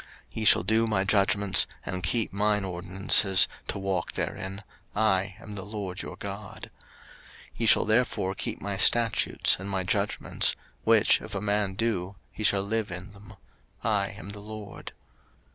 03:018:004 Ye shall do my judgments, and keep mine ordinances, to walk therein: I am the LORD your God. 03:018:005 Ye shall therefore keep my statutes, and my judgments: which if a man do, he shall live in them: I am the LORD.